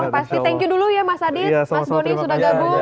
pasti thank you dulu ya mas adit mas boni sudah gabung